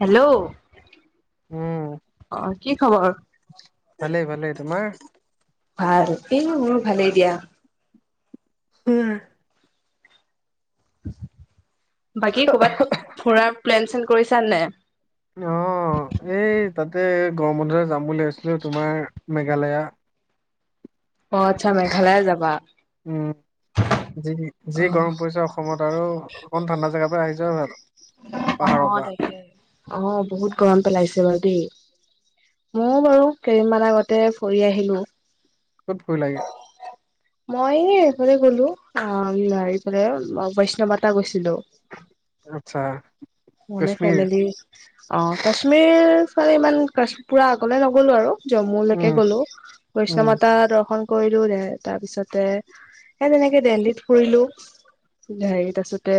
Hello. উম অ কি খবৰ। ভালেই ভালেই তোমাৰ ভাল এই মোৰো ভালেই দিয়া। উম। বাকী কবাত ফুৰাৰ প্লেন চিলেন কৰিছা নাই। অঁ এই তাতে গৰম বন্ধতে যাম বুলি ভাবছিলোঁ তোমাৰ মেঘালয়া। অ আচ্ছা মেঘালয় যাবা উম। যি অ যি গৰম পৰিছে অসমত আৰু অকমান ঠাণ্ডা জেগাৰ পৰা আহি যোৱাই ভাল। অ পাহাৰৰ পৰা তাকে অ বহুত গৰম পেলাইছে বাৰু দেই। মৌ বাৰু কেইদিমান আগতে ফুৰি আহিলো। ক'ত ফুৰিলাগে। মই এই এইফালে গলো অ হেৰিফালে বৈষ্ণৱমাতা গৈছিলো। আচ্ছা। মোলে কাশ্মীৰ ফেমিলি অ কাশ্মীৰ ফালে ইমান কাশ পুৰা আগলে নগলো আৰু। জম্মুলেকে উম গ'লো উম বৈষ্ণব মাতা দৰ্শন। কৰিলো দে তাৰ পিছতে এ তেনেকে দেলহীত ফুৰিলো। হেৰি তাৰপিছতে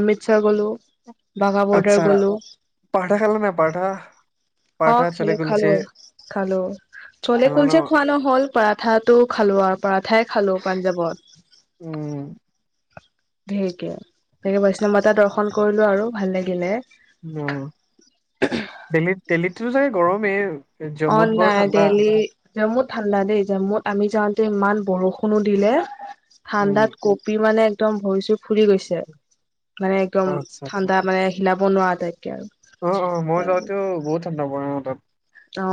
অমিতচৰ গ'লো বাঘা বৰ্ডাৰ গলো। পাৰাঠা খালা নাই পাৰাঠা। অ খালো খালো খালো চলে খালা ন কুলচে যে খোৱা নহ'ল। পৰাঠাটো খালো আৰু পৰাঠাই খালো পাঞ্জাৱত। উম। ধেৰিকে তাকে বৈষ্ণৱ মাতা দৰ্শন কৰিলো আৰু ভাল লাগিলে। অ দেল্হিত দেল্হীততো চাগে গৰমেই। অ জম্মুত বাৰু নাই ঠাণ্ডা দেলহী। জম্মুত ঠাণ্ডা দেই জম্মুত আমি যাওঁতে ইমান বৰষুণো দিলে। উম ঠাণ্ডাত কপি মানে একদম ভৰি চৰি ফুলি গৈছে। মানে একদম আচ্ছা আচ্ছা ঠাণ্ডা মানে হিলাব নোৱাৰা আতাইতকে আৰু। অ অ মই যাওঁতেও বহুত ঠাণ্ডা পৰে অ তাত। অ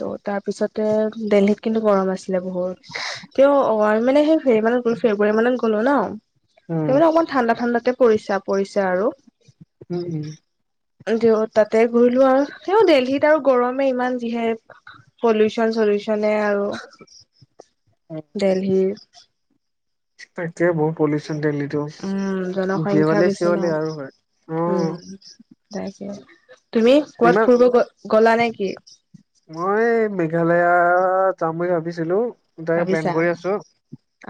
ত' তাৰপিছতে দেল্হিত কিন্তু গৰম আছি। ছিলে বহুত তেওঁ হল তেও ৱাল মানে হেই হেৰি মানত। [inaudible] ফেব্ৰুৱাৰী মানত গ'লো ন উম, তেওমানে অকমান ঠাণ্ডা ঠাণ্ডাতে পৰিছো পৰিছে আৰু। উম উম। দিও তাতে ঘূৰিলো আৰু তেওঁ দেল্লীত আৰু গৰম ইমান যিহে পলিউচন চলিউচন মানে আৰু দেল্লীত তাকে বহুত পলিউচন দেল্লীটো উম, জনসংখ্যা দেৱালী বেছি ন চেৱালি আৰু হয় অ উম। তাকে তুমি কবাত ইমান ফুৰিব গ গলা নে কি মই মেঘালয়া যাম বুলি ভাবিছিলো তাৰে প্লেন ভাবিছা? কৰি আছো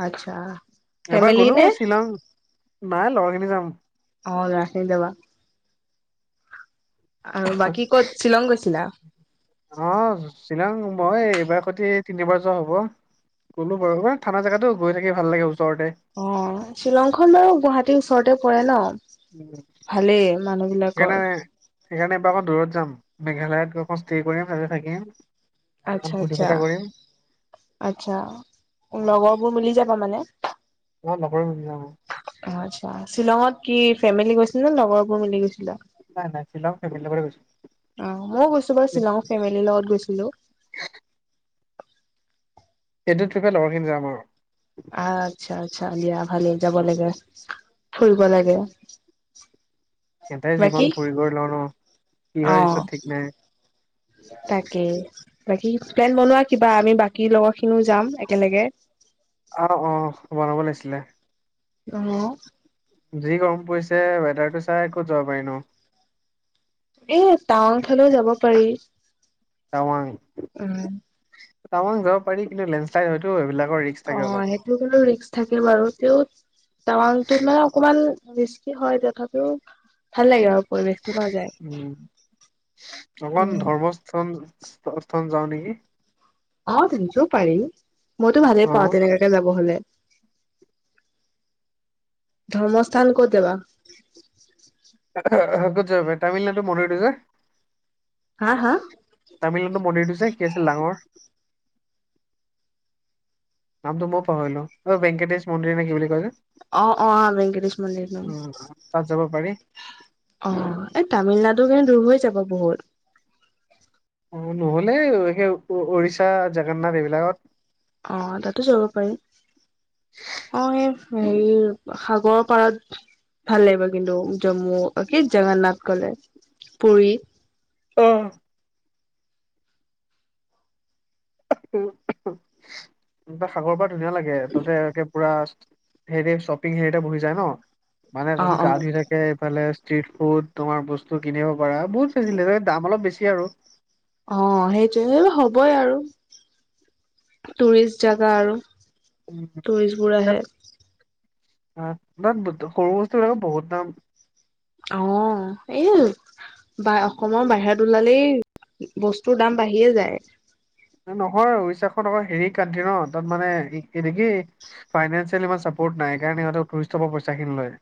আচ্ছা এবাৰ ফেমিলি গলো নে বাৰু শ্বিলং নাই লগৰখিনি যাম অ লৰাখিনি যাবা আৰু বাকী ক'ত শ্বিলং গৈছিলা অ শ্বিলং মই এইবাৰ সৈতে তিনিবাৰ যোৱা হব গ'লো বাৰু ঠাণ্ডা জাগাতো গৈ থাকি ভাল লাগে ওচৰতে অ শ্বিলংখন বাৰু গুৱাহাটীৰ ওচৰতে পৰে ন উম, ভালেই মানুহ বিলাকৰ সেইকাৰণে সেইকাৰণে এবাৰ অকণ দূৰত যাম মেঘালয়ত গৈ মস্তি কৰিম আৰু থাকিম অকণ আচ্ছা ফূৰ্তি আচ্ছা ফাৰ্তা কৰিম। আচ্ছা লগৰ বোৰ মিলি যাবা মানে অ লগৰবোৰ যাম অ আচ্ছা শ্বিলঙত কি ফেমেলি গৈছিলা নে লগৰবোৰ মিলি গৈছিলা নাই নাই শ্বিলং ফেমেলিৰ লগত গৈছিলো অ মইও গৈছো বাৰু শ্বিলং ফেমেলিৰ লগত গৈছিলো এইটো টিপত লগৰখিনি যাম আৰু আচ্ছা আচ্ছা আচ্ছা দিয়া ভালে যাব লাগে ফুৰিব লাগে [inaudible] এটাই বাকী জীৱন ফুৰি কৰি লওঁ ন কি অ হয় পিছত ঠিক নাই তাকে বাকী প্লেন বনোৱা কিবা আমি বাকী লগৰ খিনিও যাম একেলগে অ অ বনাব লাগিছিলে অ যি গৰম পৰিছে ৱেডাৰ টো চাই কত যাব পাৰি নো এ টাউন ফালেও যাব পাৰি টাৱাং উম টাৱাং যাব পাৰি কিন্তু লেন্সলাইড হয়তো এইবিলাকৰ ৰি অ সেইটো বাৰু ৰিস্ক থাকে বাৰু তেওঁ টাৱাংটোত মানে অকমান ৰিস্কি হয় তথাপিও ভাল লাগে আৰু পৰিৱেশটো নাযায় উম উম প্ৰথম প্ৰথম যাওঁ নেকি অ তেনেকেও পাৰি মইতো ভালেই অ পাওঁ তেনেকাকে যাব হলে ধৰ্মস্থান কত যাবা আহ আ ক'ত যাব পাৰি তামিলনাডু মন্দিৰটো যে হা হা তামিলনাডু মন্দিৰটো যে কি আছিল ডাঙৰ নামটো মই পাহৰিলো অ ভেংকেটিচ মন্দিৰ নে কি বুলি কয় যে অ অ অ ভেংকেটিশ মন্দিৰটো উ তাত যাব পাৰি অ' এই তামিলনাডু কেনে দূৰ হৈ যাব বহুত। অ' নহ'লে সেই উৰিষ্যা, জগন্নাথ এইবিলাকত। অ' তাতো যাব পাৰি। অ' এই হেৰি সাগৰৰ পাৰত ভাল লাগিব কিন্তু জম্মু কি জগন্নাথ গ'লে। পুৰীত অ'। এ, সাগৰ পাৰ ধুনীয়া লাগে, তহঁতে একে পুৰা হেৰি শ্বপিং হেৰিতে বহি যায় ন'। মানে অ অ গা ধুই থাকে, এইফালে ষ্ট্ৰিট ফুড, তোমাৰ বস্তু তো কিনিব পাৰা, বহুত ফেচিলিটী, দাম অলপ বেছি আৰু। অ' সেইটোয়ে, সে হ'বই আৰু টুৰিষ্ট জাগা আৰু। [unintelligible] টুৰিষ্ট বোৰ আহে তাত সৰু বস্তুবিলাকে বহুত দাম। অ' [unintelligible] বা অসমৰ বাহিৰত ওলালেই বস্তুৰ দাম বাঢ়িয়ে যায়। নহয় উৰিষ্যাখন আকৌ হেৰি কাণ্ট্ৰি ন' তাত মানে নেকি ফাইনেনচিয়েল ইমান চাপৰ্ট নাই কাৰনে সিহঁতে টুৰিষ্টৰপৰা পইচাখিনি লয়।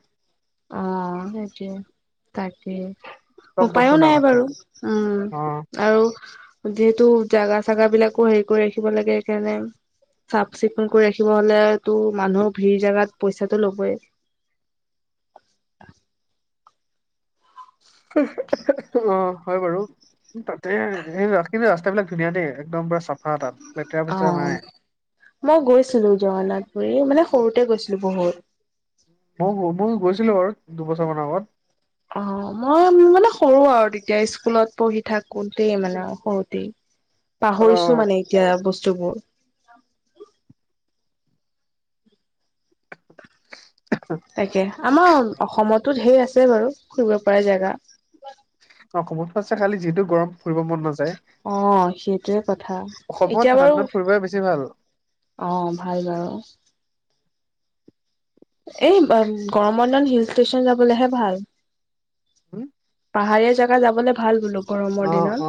অ' সেইটোৱে, তাকে। চব উপায়ো বস্তুৰ দাম নাই আছে বাৰু। উম, অ আৰু যিহেতু জাগা চাগাবিলাকো হেৰি কৰি ৰাখিব লাগে সেইকাৰণে চাফ চিকুণ কৰি ৰাখিব হ'লেতো মানুহৰ ভিৰ জেগাত পইচাটো ল'বই। [inaudible] অ' হয় বাৰু তাতে [unintelligible] কিন্তু ৰাস্তাবিলাক ধুনীয়া দেই, একদম পুৰা চাফা তাত, লেতেৰা পেতেৰা নাই। মই গৈছিলোঁ জগন্নাথ পুুৰী মানে সৰুতে গৈছিলোঁ বহুত। মই মই গৈছিলোঁ বাৰু দুবছৰ মানৰ আগত। অ' মই মানে সৰু আৰু তেতিয়া, ইস্কুলত পঢ়ি থাকোতেই মানে সৰুতেই। অ পাহৰিছোঁ মানে এতিয়া বস্তুবোৰ। তাকে, আমাৰ অসমতো ঢেৰ আছে বাৰু ফুৰিব পৰা জেগা। অসমতো আছে খালি যিহেতু গৰম ফুৰিব মন নাযা অ' সেইটোয়ে কথা। অসমত এতিয়া ঠাণ্ডা বাৰু দিনত ফুৰিবই বেছি ভাল অ' ভাল বাৰু। অ' এই গৰমৰ দিনত হিল ষ্টেচন যাবলেহে ভাল। উম পাহাৰীয়া জেগা যাবলে ভাল বোলো গৰমৰ অ অ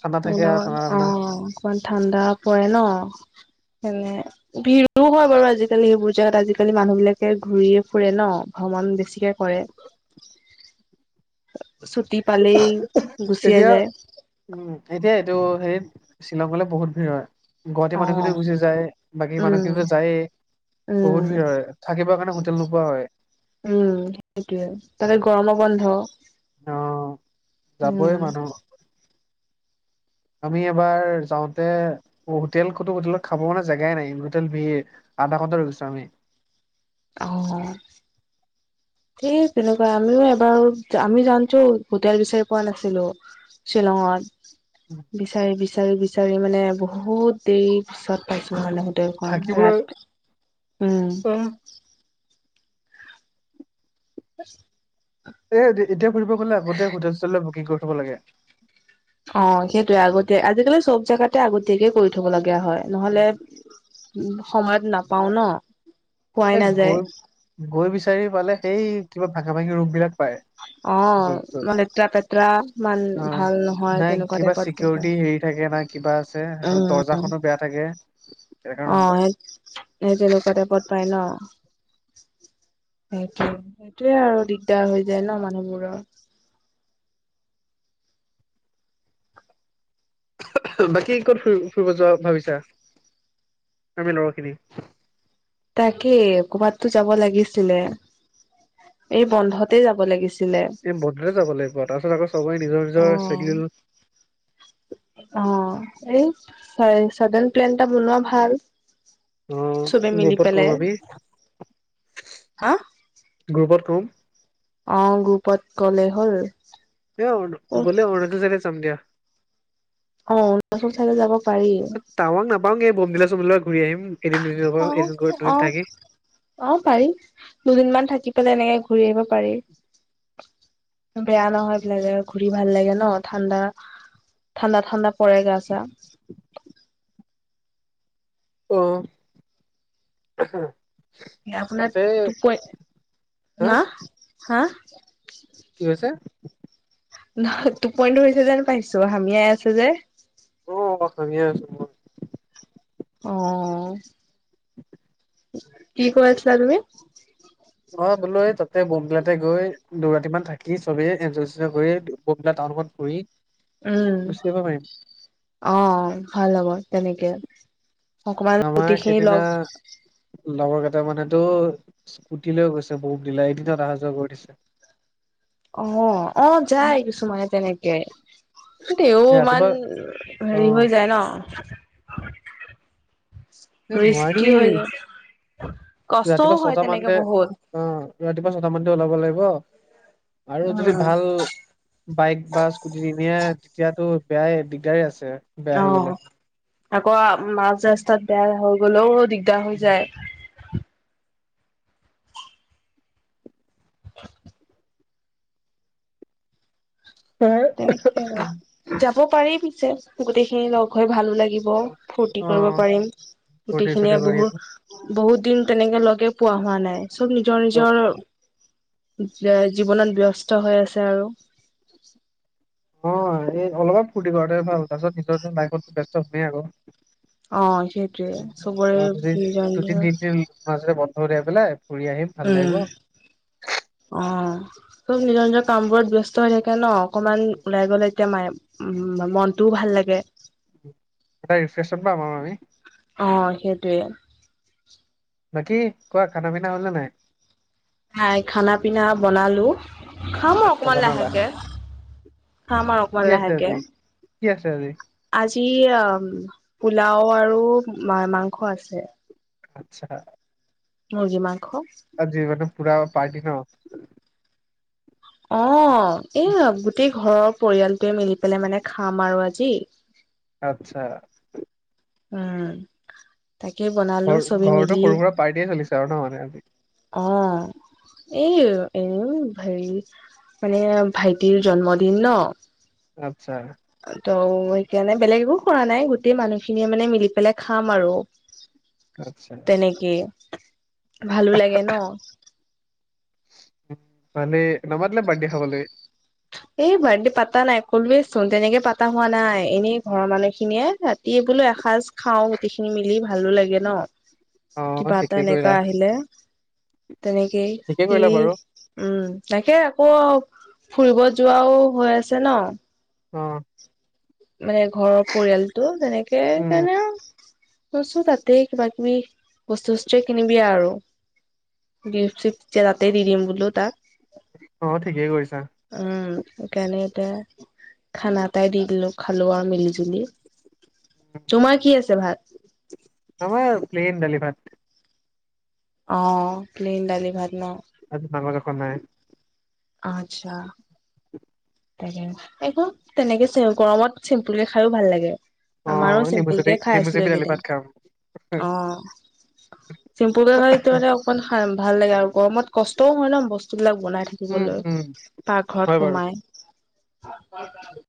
ঠাণ্ডা থাকে আৰু ঠাণ্ডা [unintelligible] অ'। ঠাণ্ডা অকমান ঠাণ্ডা পৰে ন'। হেনে ভিৰো হয় বাৰু আজিকালি সেইবোৰ জেগাত আজি কালি মানুহবিলাকে ঘূৰিয়ে ফুৰে ন' ভ্ৰমণ বেছিকে কৰে। ছুটি পালেই গুচিয়ে এতিয়া যায়। উম, এতিয়া এইটো হেৰিত শ্বিলঙলৈ বহুত ভিৰ হয়। গুৱাহাটী অ মানুহখিনিও গুচি যায়, বাকী উম মানুহখিনিতো যায়েই। বহুত ভিৰ উম হয়, থাকিব কাৰণে হোটেল নোপোৱা হয়। উম, সেইটোয়ে, তাতে গৰমৰ বন্ধ। অ' যাবই উম মানুহ আমি এবাৰ যাওঁতে হোটেল খতো হোটেলত খাব মানে জেগাই নাই হোটেল ভিৰ। আধা ঘণ্টা ৰখিছোঁ আমি। অ'। সে তেনেকুৱা, আমিও এবাৰ আমি জানছো হোটেল বিচাৰি পোৱা নাছিলোঁ। শ্বিলংত বিচাৰি বিচাৰি বিচাৰি মানে বহুত দেৰি পিছত পাইছো মানে হো টেলখন থাকিবলৈ ৰাত উম। অ [inaudible] তে যে যেতিয়া ফুৰিব গ'লে আগতে হোটেল - চুটেল বুকিং কৰি থব লাগে। অ সেইটোৱে আগতিয়া আজিকালি চব জাগাতে আগতীয়াকে কৰি থব লাগে হয় নহলে সময়ত নাপাও ন। পোৱাই এ নাযায় গৈ গৈ বিচাৰি পালে সেই কিবা ভাঙা ভাঙি ৰূপবিলাক পায়। অ য'ত লেতেৰা পেতেৰা তত, ইমান অ ভাল নহয় নাই তেনেকুৱা কিবা টাইপত পায় চিকিউৰিটি হেৰি থাকে নাই কিবা আছে আৰু উম দৰ্জাখনো বেয়া থাকে সেই কাৰণে। ত এপত পাই ন? সেইটোয়ে, সেইটোয়ে আৰু দিগদাৰ হৈ যায় ন মানুহবোৰৰ। হু বাকী ক'ত ফুৰি ফুৰিব যোৱা ভাবিছা আমি লৰাখিনি? তাকে ক'ৰবাততো যাব লাগিছিলে। এই বন্ধতে যাব লাগিছিলে। এ বন্ধতে যাব লাগিব তাৰপিছত আকৌ চবৰে নিজৰ অ নিজৰ চেডিউল [inaudible] অ, এই চ চাডেন প্লেন এটা বনোৱা ভাল অ চবে মিলি গ্ৰুপত কম পেলাই আমি হা? গ্ৰুপত কম। অ গ্ৰুপত কলে হ'ল। এ অ গ'লে হল এইটো জাগাত যাম দিয়া। অ পাছত চাইলে যাব পাৰি। পাং এই বমিলা - চমিলা ঘূৰি আহিম এদিন দুদিন হ'ব অ এদিন - অ দুদিন থাকি। অ পাৰি, দুদিনমান থাকি পেলাই এনেকে ঘূৰি আহিব পাৰি। বেয়া নহয় বিলাকে ঘুৰি ভাল লাগে ন, ঠাণ্ডা ঠাণ্ডা ঠাণ্ডা পৰে গা চা। অ' তাকে। নে আপোনাৰ তোক কৈ, হা না হা? কি হৈছে? নহ, টোপনিটো ধৰিছে যেন পাইছো হামিয়াই আছে যে। অ বা ভনিয়ে আছো মই। অঁ'। কি কয় আছিলা তুমি? অ বোলো এই তাতে বোমবিলাতে গৈ দৌৰাতি মান থাকি চবেই এঞ্জয় - চেঞ্জয় কৰি বোমবিলা টাউনখনত ফুৰি উম গুচি আহিব পাৰিম। অহ ভাল হ'ব তেনেকে। অকমান গোটেইখিনি লগ লগৰকেইটা মানেতো স্কুটি লৈ গৈছে বহুত দিলাই এ দিনত অহা যোৱা কৰি দিছে। অহ, অ যায় কিছুমানে তেনেকে। দেও এই ইমান ৰাতিপুৱা অ হেৰি হৈ যায় ন এ নোৱাৰি, ৰিস্কি হৈ যায় কষ্টও ৰাতিপুৱা হয় ছটা তেনেকে মানতে বহুত অ, ৰাতিপুৱা ছটা মানতে ওলাব লাগিব আৰু যদি উম ভাল বাইক বা স্কুটি এনে তেতিয়াতো বেয়াই দিগদাৰ আছে, বেয়া অ হৈ গলে। আকৌ আপ মাজ ৰাস্তাত বেয়া হৈ গলেও দিগদাৰ হৈ যায়। তেনেকে, যাব পাৰি পিছে গোটেইখিনি লগ হৈ ভালো লাগি ব ফূৰ্তি কৰিব অ পাৰিম, ফূৰ্তি চুৰ্তি গোটেইখিনিয়ে কৰি আকৌ বহুত বহুত দিন তেনেকে লগে পোৱা হোৱা নাই চব নিজৰ অ নিজৰ যে জীৱনত ব্যস্ত হৈ আছে আৰু। অ এই অলপ ফূতি কৰাতে ভাল তাৰপিছ পিছত যে লাইফতো ব্যস্ত সমেই আৰু। অ সেইটোৱে চবৰে অ দুদিন নিজৰ দুদিন নিজৰ তিনদিন মাজতে বন্ধ উঠিয়াই পেলাই ফুৰি আহিম। ভাল লাগিব উম অ চব নিজৰ নিজৰ কামবোৰত ব্যস্ত হৈ থাকে ন। অকণমান ওলাই গ'লে এতিয়া মায় মনটোও ভাল লাগে। এটা ৰিফ্ৰেছন পাম আৰু আমি। অ সেইটোৱে। বাকী কোৱা খানা পিনা হলে নে নাই? হাই খানা পিনা বনালো। খাম আৰু আচ্ছা অকমান বনালা লাহেকে, খাম আৰু কি অকমান আছে আজি লাহেকে। কি আছে আজি? আজি আ পোলাও আৰুা মাংস আছে। আচ্ছা। মুৰ্গী মাংস। আজি মানে পুৰা পাৰ্টি ন? অ এই গোটেই ঘৰৰ পৰিয়ালটোৱে মিলি পেলাই মানে খাম আৰু আজি। আচ্ছা উম তাকে বনালো ঘৰ চবে ঘৰতো মিলি। সৰু সুৰা পাৰ্টিয়ে চলিছে আৰু ন মানে আজি অহ। এৰ এ হেৰি মানে ভাইটিৰ জন্মদিন ন। আচ্ছা ত সেইকাৰণে বেলেগ একো খোৱা নাই, গোটেই মানুহখিনিয়ে মানে মিলি পেলাই খাম আৰু। আচ্ছা। তেনেকে ভালো লাগে ন? মানে নামাতিলা বিৰ্থডে খাবলে। এই বাৰ্থডে পাতা নাই কলোৱে চোন তেনেকে পাতা হোৱা নাই এনেই ঘৰৰ মানুহখিনিয়ে তাত টি বোলো এসাঁজ খাওঁ গোটেইখিনি মিলি ভালো লাগে ন। অ কিবা এটা ঠিকেই এনেকা কৰিলা আহিলে তেনেকেই ঠিকেই সি কৰিলা বাৰু উম তাকে আকৌ ফুৰিব যোৱাও হৈ আছে ন। অহ। মানে ঘৰৰ পৰিয়ালটো তেনেকে উম কানেও কৈছো তাতেই কিবা কিবি বস্তু বস্তুয়ে কিনিবিা আৰু গিফ্ট চিফ্ট জেগাতেই দিডিম বোলো তাক। অ ঠিকে কৰিছা। উম সেইকাৰণে এতিয়া খানা এটাই দি দিলো খালো আৰু মিলি জুলি। তোমাৰ কি আছে ভাত? আমাৰ প্লেইন দালি ভাত। অঁ প্লেইন ডালি ভাত ন? আজি মাংস চাংস নাই। আচ্ছা। তাকে এখন তেনেকে চেও গৰমত চিম্পুলকেও খাই ভাল লাগে। অ আমাৰো নেমু চেপি চিম্পুলকে খাই নেমু আছিলো চেপি দালি এইকেইদিন। ভাত খাম অহ। চিম্পুল কে খাইটো মানে অকমান ভাল লাগে আৰু গৰমত কষ্টও হয় ন বস্তু বিলাক বনাই থাকি উম বলৈ উম পাক ঘৰত হয় বাৰু সোমাই।